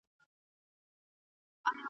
سوله د ولسونو ارمان دی.